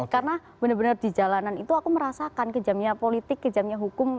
karena benar benar di jalanan itu aku merasakan kejamnya politik kejamnya hukum